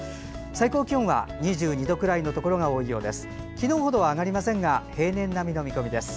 最高気温は２２度くらいのところが多いようです。